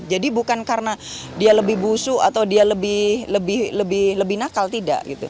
jadi bukan karena dia lebih busuk atau dia lebih nakal tidak